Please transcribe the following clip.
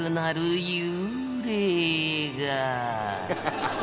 「ハハハハ！」